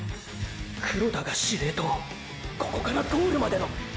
黒田が司令塔ここからゴールまでの！！